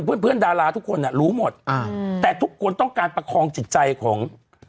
เพื่อนเพื่อนดาราทุกคนอ่ะรู้หมดอ่าแต่ทุกคนต้องการประคองจิตใจของ